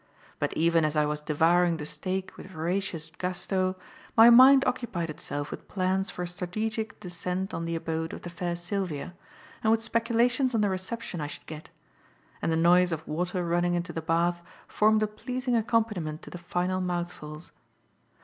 But even as I was devouring the steak with voracious gusto, my mind occupied itself with plans for a strategic descent on the abode of the fair Sylvia and with speculations on the reception I should get; and the noise of water running into the bath formed a pleasing accompaniment to the final mouthfuls.